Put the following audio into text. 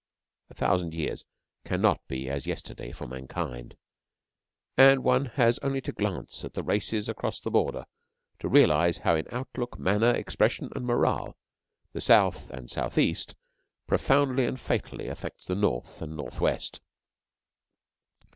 A thousand years cannot be as yesterday for mankind; and one has only to glance at the races across the Border to realise how in outlook, manner, expression, and morale the South and South east profoundly and fatally affects the North and North west.